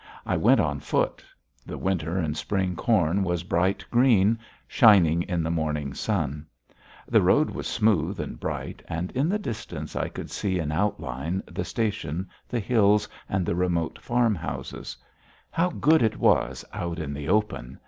I went on foot. The winter and spring corn was bright green, shining in the morning sun. The road was smooth and bright, and in the distance I could see in outline the station, the hills, and the remote farmhouses.... How good it was out in the open!